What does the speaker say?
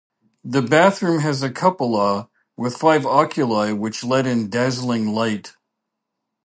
The bathroom has a cupola with five oculi which let in dazzling light.